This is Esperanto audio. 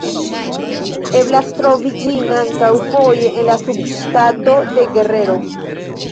Eblas trovi ĝin ankaŭ foje en la subŝtato de Guerrero.